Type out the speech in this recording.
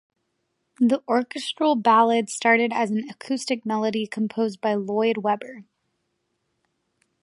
The orchestral ballad started as an acoustic melody composed by Lloyd Webber.